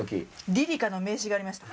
リリカの名刺がありました。